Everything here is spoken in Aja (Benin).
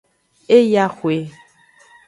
E yi axwe.